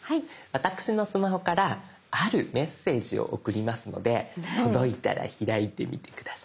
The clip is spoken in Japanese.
私のスマホからあるメッセージを送りますので届いたら開いてみて下さい。